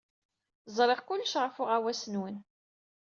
Ẓriɣ kullec ɣef uɣawas-nwen.